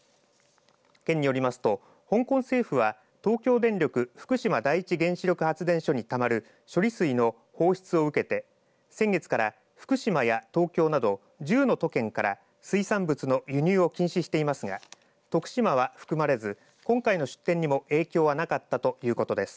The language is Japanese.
県によりますと香港政府は東京電力福島第一原発原子力発電所にたまる処理水の放出を受けて先月から福島や東京など１０の都県から水産物の輸入を禁止していますが徳島は含まれず今回の出展にも影響はなかったということです。